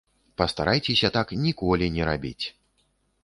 Пастарайцеся так ніколі не рабіць.